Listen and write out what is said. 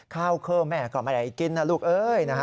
ข้าวเคิ่มแม่ก็ไม่ได้กินน่ะลูกเอ๊ย